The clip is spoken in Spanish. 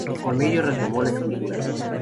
Con ello retomó la escritura.